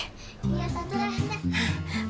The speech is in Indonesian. iya tante boleh